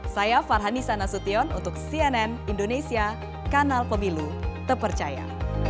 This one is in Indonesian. saya farhani sanasution untuk cnn indonesia kanal pemilu terpercaya